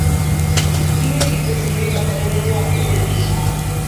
Ihe ikwesiri ima banyere Nwafor Orizu